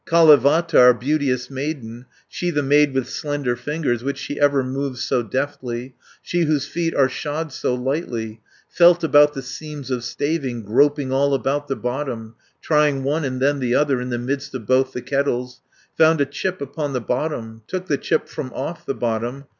"Kalevatar, beauteous maiden, She, the maid with slender fingers, Which she ever moves so deftly, She whose feet are shod so lightly, 260 Felt about the seams of staving, Groping all about the bottom, Trying one, and then the other, In the midst of both the kettles, Found a chip upon the bottom, Took the chip from off the bottom.